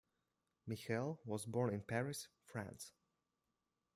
Michel was born in Paris, France.